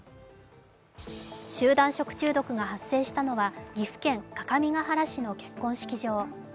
集団食中毒が発生したのは岐阜県各務原市の結婚式場。